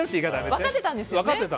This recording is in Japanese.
分かってたんです。